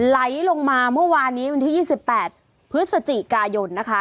ไหลลงมาเมื่อวานนี้วันที่๒๘พฤศจิกายนนะคะ